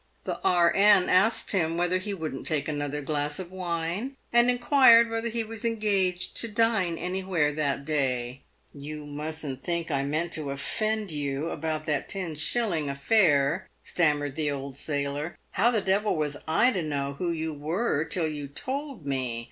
The E.N. asked him whether he wouldn't take another glass of wine, and inquired whether he was engaged to dine anywhere that day. " You mustn't think I meant to offend you about that ten shilling affair," stammered the old sailor. " How the devil was I to know who you were till you told me